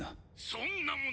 そんなもの